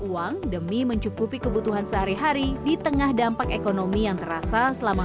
uang demi mencukupi kebutuhan sehari hari di tengah dampak ekonomi yang terasa selama